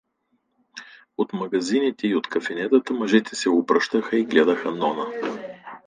От магазините и от кафенетата мъжете се обръщаха и гледаха Нона.